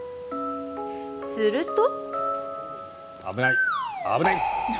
すると。